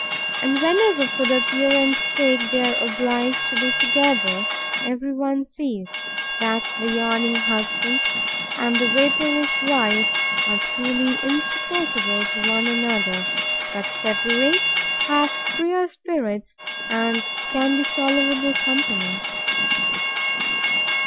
And whenever, for appearance sake, they are obliged to be together, every one sees, that the yawning husband, and the vapourish wife, are truly insupportable to one another; but separate, have freer spirits, and can be tolerable company.